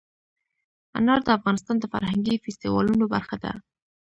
انار د افغانستان د فرهنګي فستیوالونو برخه ده.